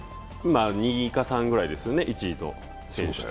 ２か３ぐらいですよね、１位の選手と。